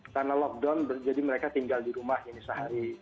karena lockdown jadi mereka tinggal di rumah sehari